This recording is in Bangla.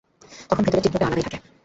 তখন ভেতরের চিত্রটা আলাদাই থাকে।